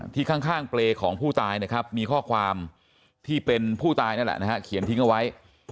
ข้างเปรย์ของผู้ตายนะครับมีข้อความที่เป็นผู้ตายนั่นแหละนะฮะเขียนทิ้งเอาไว้